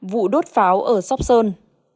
vụ đốt pháo ở sóc sơn